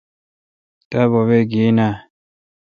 تا بوبے گین اے۔